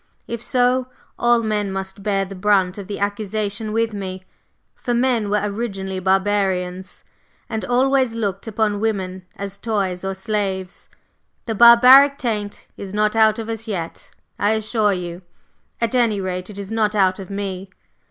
If so, all men must bear the brunt of the accusation with me. For men were originally barbarians, and always looked upon women as toys or slaves; the barbaric taint is not out of us yet, I assure you, at any rate, it is not out of me.